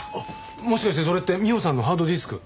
もしかしてそれって美緒さんのハードディスク？